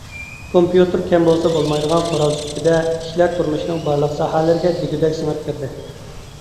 كومپيۇتېر كەم بولسا بولمايدىغان قورال سۈپىتىدە، كىشىلەر تۇرمۇشىنىڭ بارلىق ساھەلىرىگە دېگۈدەك سىڭىپ كىردى.